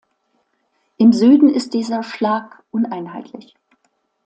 Im Süden ist dieser Schlag uneinheitlich.